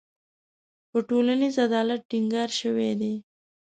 په ټولنیز عدالت ټینګار شوی دی.